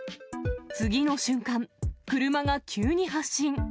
次の瞬間、車が急に発進。